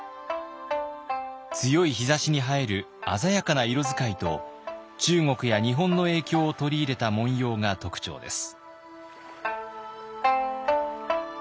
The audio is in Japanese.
強い日ざしに映える鮮やかな色使いと中国や日本の影響を取り入れた紋様が特徴です。